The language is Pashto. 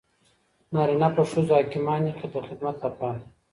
نارینه په ښځو حاکمان دي د خدمت لپاره.